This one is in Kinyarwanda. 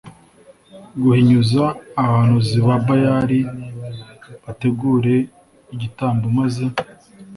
guhinyuza Abahanuzi ba Bayali bategure igitambo maze